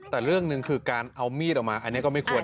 แต่เรื่องหนึ่งคือการเอามีดออกมาอันนี้ก็ไม่ควร